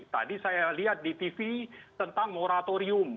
tadi saya lihat di tv tentang moratorium